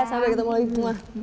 sampai ketemu lagi di rumah